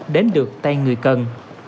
đến được tay người cần